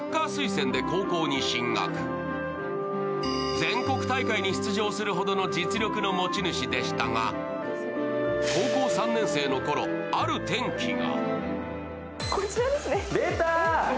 全国大会に出場するほどの実力の持ち主でしたが高校３年生のころ、ある転機が。